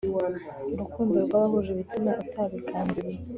urukundo rwabahuje ibitsina utabigambiriye